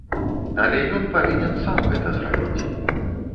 Але ён павінен сам гэта зрабіць.